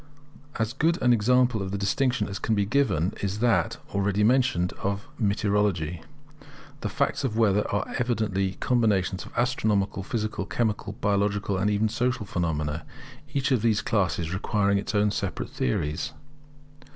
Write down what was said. As good an example of the distinction as can be given is that, already mentioned, of Meteorology. The facts of weather are evidently combinations of astronomical, physical, chemical, biological, and even social phenomena; each of these classes requiring its own separate theories.